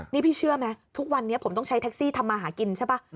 นี่พี่เชื่อไหมทุกวันนี้ผมต้องใช้แท็กซี่ทำมาหากินใช่ป่ะ